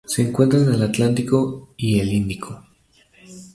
Se encuentra en el Atlántico y el Índico.